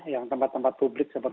yang tempat tempat publik seperti pusat